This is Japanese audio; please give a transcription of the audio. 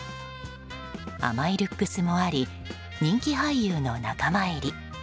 甘いルックスもあり人気俳優の仲間入り。